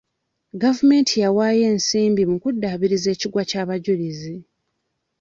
Gavumenti yawaayo ensimbi mu kuddaabiriza ekiggwa ky'abajulizi.